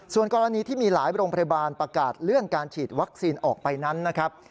ส่วนกรณีที่มีหลายโรงพยาบาลประกาศเลื่อนการฉีดวัคซีนออกไปนั้นนะครับ